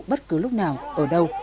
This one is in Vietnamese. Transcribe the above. bất cứ lúc nào ở đâu